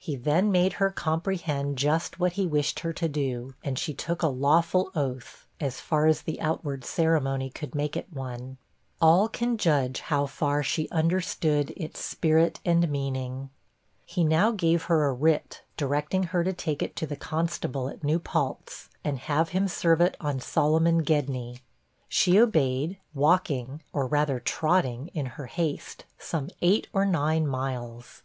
He then made her comprehend just what he wished her to do, and she took a lawful oath, as far as the outward ceremony could make it one. All can judge how far she understood its spirit and meaning. He now gave her a writ, directing her to take it to the constable at New Paltz, and have him serve it on Solomon Gedney. She obeyed, walking, or rather trotting, in her haste, some eight or nine miles.